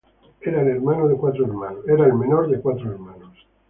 Era la menor de cuatro hermanos.